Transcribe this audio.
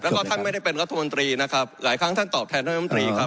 แล้วก็ท่านไม่ได้เป็นรัฐมนตรีนะครับหลายครั้งท่านตอบแทนท่านรัฐมนตรีครับ